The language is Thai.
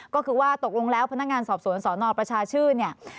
ก็คือว่าตกลงแล้วพนักงานสอบสวนสนประชาชื่นเนี่ย